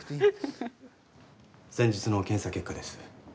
先日の検査結果です。